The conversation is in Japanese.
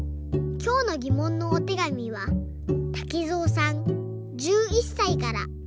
きょうのぎもんのおてがみはたけぞうさん１１さいから。